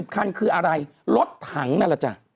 คันคืออะไรรถถังนั่นแหละจ้ะ